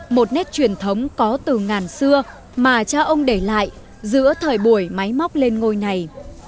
một nét truyền thống có từ ngàn xưa mà cha ông để lại giữa thời buổi máy móc lên ngôi này